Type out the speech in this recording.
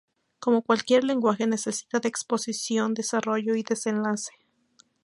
Como cualquier lenguaje necesita de exposición, desarrollo y desenlace.